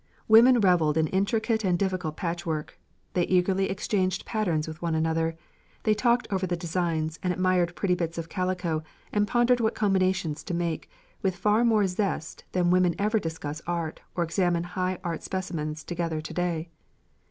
Women revelled in intricate and difficult patchwork; they eagerly exchanged patterns with one another; they talked over the designs, and admired pretty bits of calico and pondered what combinations to make, with far more zest than women ever discuss art or examine high art specimens together to day.